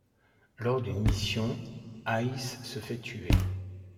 Lors d'une mission, Hayes se fait tuer.